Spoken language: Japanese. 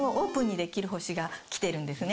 星が来てるんですね。